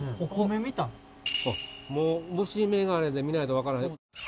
もう虫眼鏡で見ないと分からへん。